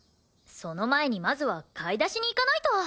その前にまずは買い出しに行かないと。